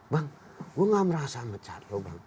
bang saya tidak merasa mecat lo bang